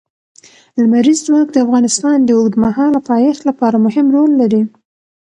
لمریز ځواک د افغانستان د اوږدمهاله پایښت لپاره مهم رول لري.